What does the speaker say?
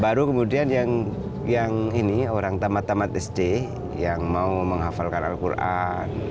baru kemudian yang ini orang tamat tamat sd yang mau menghafalkan al quran